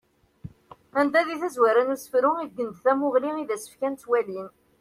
Anda di tazwara n usefru ibeggen-d tamuɣli i d-as-fkan twalin.